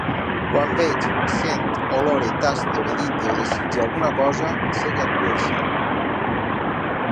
Quan veig, sent, olore, taste, medite o desitge alguna cosa, sé que actue així.